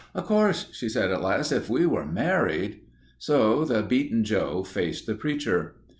"Of course," she said at last, "... if we were married...." So the beaten Joe faced the preacher.